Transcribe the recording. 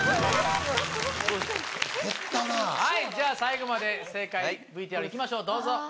はいじゃあ最後まで正解ＶＴＲ行きましょうどうぞ。